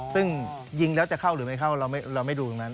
ซึ่งยิงแล้วจะเข้าหรือไม่เข้าเราไม่ดูตรงนั้น